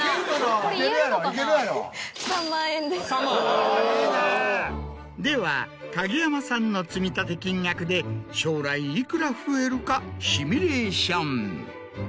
・おぉ・では影山さんの積立金額で将来いくら増えるかシミュレーション。